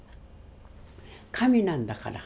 神なんだから。